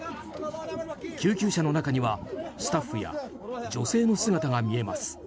救急車の中にはスタッフや女性の姿が見えます。